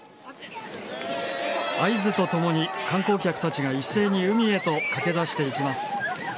合図とともに観光客たちが一斉に海へと駆け出していきます。